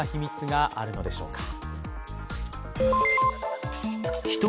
一体、どんな秘密があるのでしょうか？